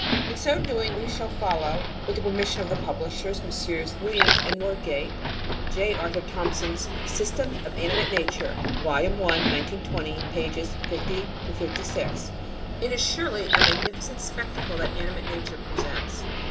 In so doing, we shall follow, with the permission of the publishers (Messrs. Williams & Norgate), J. Arthur Thomson's System of Animate Nature (vol. i, 1920, pp. 50 56). 703 704 The Outline of Science It is surely a magnificent spectacle that Animate Nature presents.